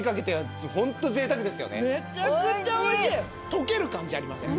溶ける感じありません？